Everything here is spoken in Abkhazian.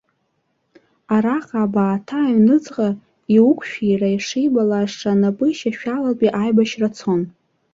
Араҟа абааҭа аҩныҵҟа иуқәшәира ишибалаша напышьашәалатәи аибашьра цон.